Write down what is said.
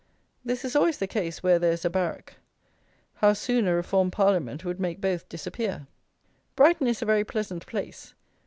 This is always the case where there is a barrack. How soon a Reformed Parliament would make both disappear! Brighton is a very pleasant place.